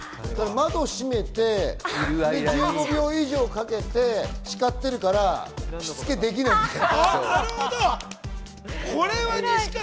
窓を閉めて１５秒以上かけて叱ってるから、しつけできないんだよ。